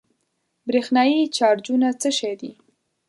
برېښنايي چارجونه څه شی دي؟